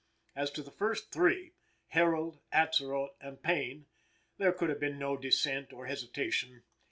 As to the first three Herold, Atzerodt and Payne there could have been no dissent or hesitation.